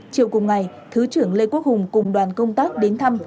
chiều cùng ngày thứ trưởng lê quốc hùng cùng đoàn công tác đến thăm